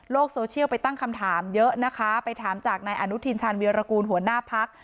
โซเชียลไปตั้งคำถามเยอะนะคะไปถามจากนายอนุทินชาญวีรกูลหัวหน้าพัก